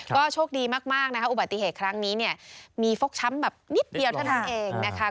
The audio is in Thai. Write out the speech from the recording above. ก็โชคดีมากนะคะอุบัติเหตุครั้งนี้เนี่ยมีฟกช้ำแบบนิดเดียวเท่านั้นเองนะคะ